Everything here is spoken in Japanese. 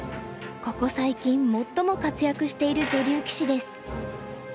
ここ最近最も活躍している女流棋士です。